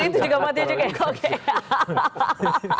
itu juga motifnya kayak goge